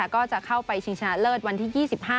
ก็จะเข้าไปชิงชนะเลิศวันที่๒๕